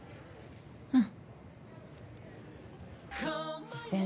うん。